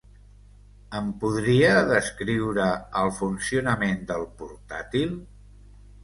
Em podria descriure el funcionament del portàtil?